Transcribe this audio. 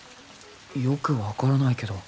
よく分からないけど